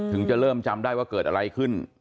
จะเริ่มจำได้ว่าเกิดอะไรขึ้น